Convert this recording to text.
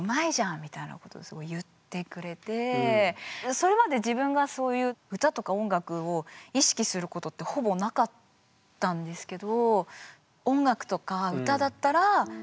それまで自分がそういう歌とか音楽を意識することってほぼなかったんですけど。